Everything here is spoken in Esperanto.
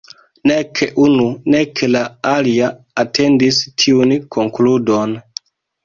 Nek unu, nek la alia atendis tiun konkludon.